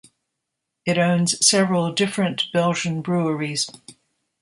It owns several different Belgian breweries.